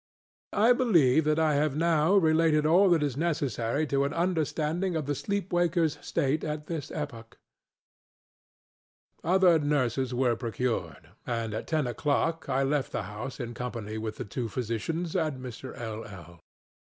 I believe that I have now related all that is necessary to an understanding of the sleep wakerŌĆÖs state at this epoch. Other nurses were procured; and at ten oŌĆÖclock I left the house in company with the two physicians and Mr. LŌĆöl.